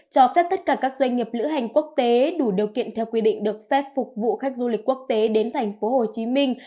cho phép tất cả các doanh nghiệp lữ hành quốc tế đủ điều kiện theo quy định được phép phục vụ khách du lịch quốc tế đến thành phố hồ chí minh